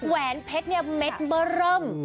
แหวนเพชรเนี่ยเม็ดเบอร์เริ่ม